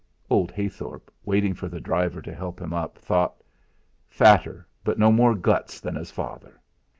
Old Heythorp, waiting for the driver to help him up, thought 'Fatter, but no more guts than his father!'